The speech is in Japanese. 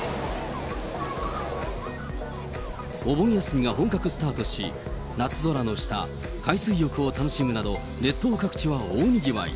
お盆休みが本格スタートし、夏空の下、海水浴を楽しむなど、列島各地は大にぎわい。